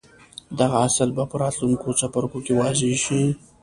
دغه اصل به په راتلونکو څپرکو کې واضح شي.